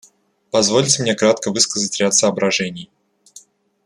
Позвольте мне кратко высказать ряд соображений.